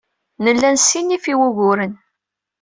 Nella nessinif i wuguren.